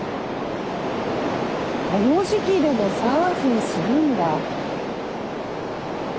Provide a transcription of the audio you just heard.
この時期でもサーフィンするんだ！